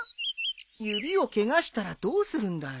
指をケガしたらどうするんだい。